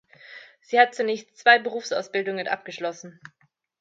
Sie hat zunächst zwei Berufsausbildungen abgeschlossen.